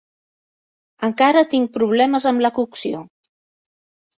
Encara tinc problemes amb la cocció.